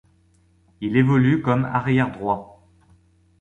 Il évolue comme arrière droit.